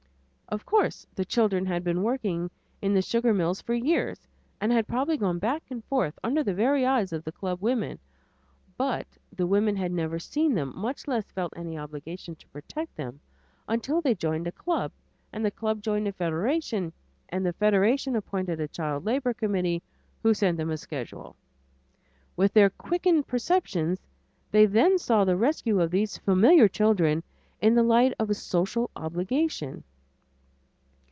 Of course the children had been working in the sugar mills for years, and had probably gone back and forth under the very eyes of the club women, but the women had never seen them, much less felt any obligation to protect them, until they joined a club, and the club joined a Federation, and the Federation appointed a Child Labor Committee who sent them a schedule. With their quickened perceptions they then saw the rescue of these familiar children in the light of a social obligation.